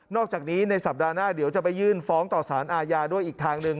อกจากนี้ในสัปดาห์หน้าเดี๋ยวจะไปยื่นฟ้องต่อสารอาญาด้วยอีกทางหนึ่ง